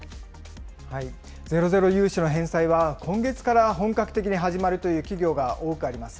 ゼロゼロ融資の返済は今月から本格的に始まるという企業が多くあります。